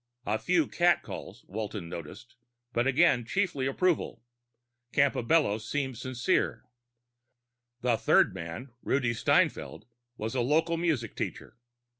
A few catcalls, Walton noted, but again chiefly approval. Campobello seemed sincere. The third man, Rudi Steinfeld, was a local music teacher.